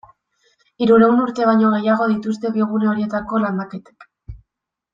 Hirurehun urte baino gehiago dituzte bi gune horietako landaketek.